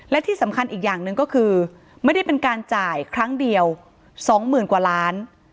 และที่สำคัญอีกอย่างหนึ่งก็คือไม่ได้เป็นการจ่ายครั้งเดียว๒หมื่นกว่าล้าน